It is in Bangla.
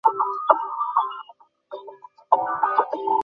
জমির চারদিকে বাঁধ দিয়ে অগভীর নলকূপ দিয়ে পানি সেচেও ফসল বাঁচাতে পারিনি।